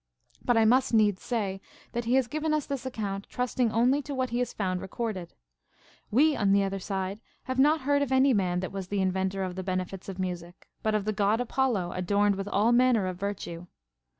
But 1 must needs say, that he has given us this account, trusting only to what he has found recorded. AVe on the other side have not heard of any man that Avas the inventor of the benefits of music, but of the God Apollo, adorned Avith all manner of virtue.